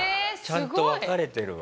ちゃんと分かれてるわ。